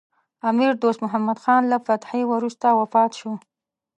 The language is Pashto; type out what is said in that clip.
امیر دوست محمد خان له فتحې وروسته وفات شو.